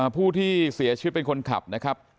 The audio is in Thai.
ผู้ที่เสียชีวิตเป็นคนขับนะครับ